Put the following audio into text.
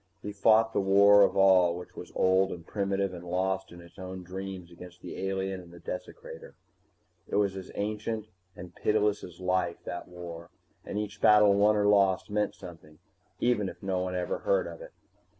He fought the war of all which was old and primitive and lost in its own dreams against the alien and the desecrator. It was as ancient and pitiless as life, that war, and each battle won or lost meant something even if no one ever heard of it.